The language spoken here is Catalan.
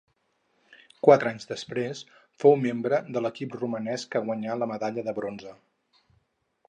Quatre anys després, fou membre de l'equip romanès que guanyà la medalla de bronze.